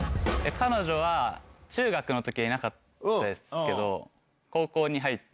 彼女は、中学のときはいなかったですけど、高校に入って。